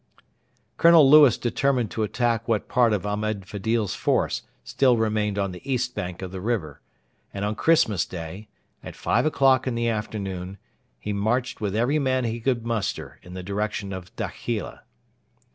Colonel Lewis determined to attack what part of Ahmed Fedil's force still remained on the east bank of the river, and on Christmas Day, at five o'clock in the afternoon, he marched with every man he could muster in the direction of Dakhila.